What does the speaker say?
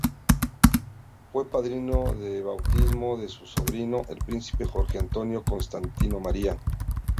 Fue padrino de bautismo de su sobrino, el príncipe Jorge Antonio Constantino María.